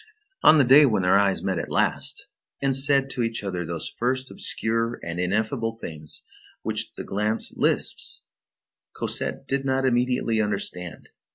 On the day when their eyes met at last, and said to each other those first, obscure, and ineffable things which the glance lisps, Cosette did not immediately understand.